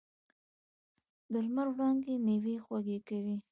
د لمر وړانګې میوې خوږې کوي.